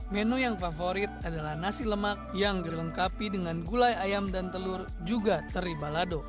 menu yang favorit adalah nasi lemak yang dilengkapi dengan gulai ayam dan telur juga teri balado